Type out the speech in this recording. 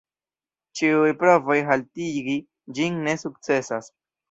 Ĉiuj provoj haltigi ĝin ne sukcesas.